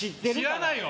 知らないわ。